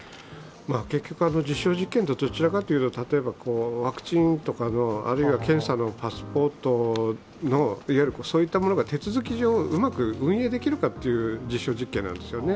結局、実証実験ってどちらかというと例えばワクチンや検査のパスポートといったものが手続上うまく運用できるかという実証実験なんですね。